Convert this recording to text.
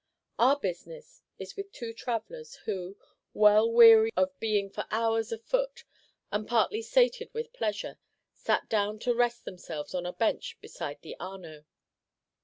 Our business is with two travellers, who, well weary of being for hours a foot, and partly sated with pleasure, sat down to rest themselves on a bench beside the Arno.